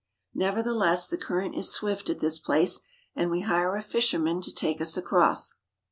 Nevertheless, the current is swift at this place and we hire a fisherman to take us across.